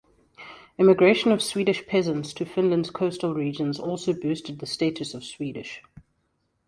Immigration of Swedish peasants to Finland's coastal regions also boosted the status of Swedish.